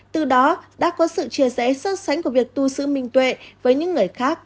từ đó đã có sự chia rẽ sơ sánh của việc tu sư minh tuệ với những người khác